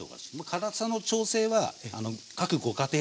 辛さの調整は各ご家庭で。